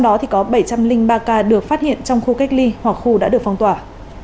trong đó thì có bảy trăm linh ba ca được phát hiện trong khu cách ly hoặc khu đã được phong tỏa